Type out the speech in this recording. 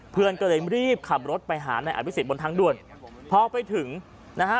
เพื่อนก็เลยรีบขับรถไปหานายอภิษฎบนทางด่วนพอไปถึงนะฮะ